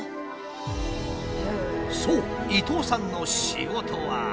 そう伊藤さんの仕事は。